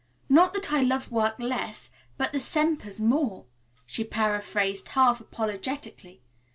"Not that I love work less, but the Sempers more," she paraphrased half apologetically.